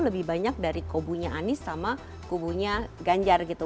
lebih banyak dari kubunya anies sama kubunya ganjar gitu